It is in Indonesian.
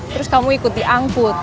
terus kamu ikuti angkut